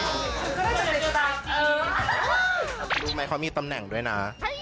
รู้ไหมเขามีตำแหน่งด้วยนะ